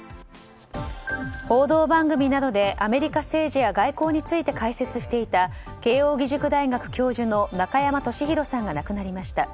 報道番組などでアメリカ政治や外交などについて解説していた慶応義塾大学教授の中山俊宏さんが亡くなりました。